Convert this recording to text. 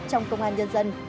trong công an nhân dân